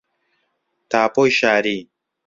تاپۆی شاری